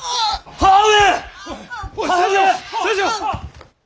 母上！